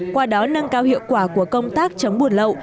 qua đó nâng cao hiệu quả của công tác chống buôn lậu